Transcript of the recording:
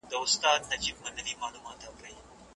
په دې اور سو موږ تازه پاته کېدلای